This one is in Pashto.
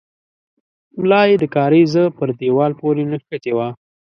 ملا يې د کارېزه پر دېوال پورې نښتې وه.